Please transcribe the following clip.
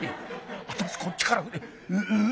私こっちから。